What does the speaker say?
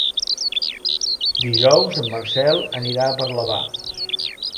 Dijous en Marcel anirà a Parlavà.